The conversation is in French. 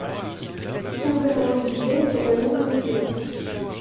Son père Henri Guybet est également comédien.